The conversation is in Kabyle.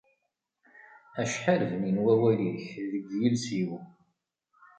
Acḥal bnin wawal-ik deg yiles-iw.